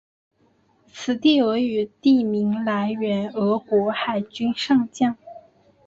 此地俄语地名来源俄国海军上将。